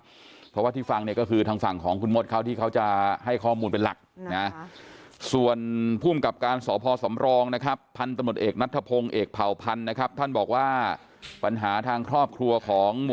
เพราะว่าที่ฟังเนี่ยก็คือทางฝั่งของคุณมดเขาที่เขาจะให้ข้อมูลเป็นหลักนะ